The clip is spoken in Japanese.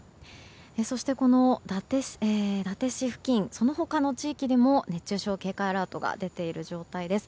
そして、この伊達市付近その他の地域でも熱中症警戒アラートが出ている状態です。